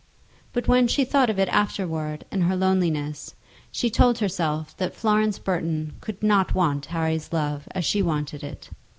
But when she thought of it afterwards in her loneliness, she told herself that Florence Burton could not want Harry's love as she wanted it.